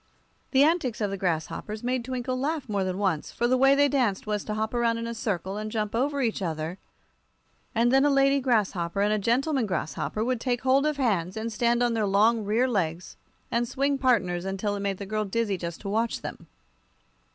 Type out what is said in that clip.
The antics of the grasshoppers made Twinkle laugh more than once, for the way they danced was to hop around in a circle, and jump over each other, and then a lady grasshopper and a gentleman grasshopper would take hold of hands and stand on their long rear legs and swing partners until it made the girl dizzy just to watch them.